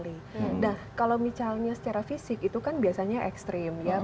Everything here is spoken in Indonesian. nah kalau misalnya secara fisik itu kan biasanya ekstrim